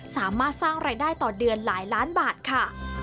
สามารถสร้างรายได้ต่อเดือนหลายล้านบาทค่ะ